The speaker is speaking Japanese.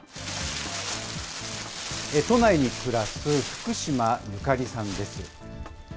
都内に暮らす福島友香里さんです。